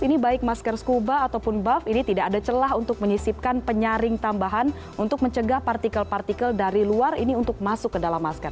ini baik masker scuba ataupun buff ini tidak ada celah untuk menyisipkan penyaring tambahan untuk mencegah partikel partikel dari luar ini untuk masuk ke dalam masker